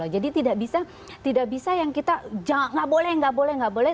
jadi tidak bisa yang kita gak boleh gak boleh gak boleh